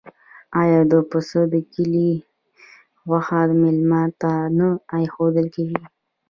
آیا د پسه د کلي غوښه میلمه ته نه ایښودل کیږي؟